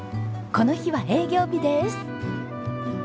この日は営業日です。